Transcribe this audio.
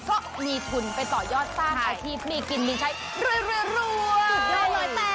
ก็มีทุนไปต่อยอดสร้างอาทิตย์มีกินมีใช้รวยรวม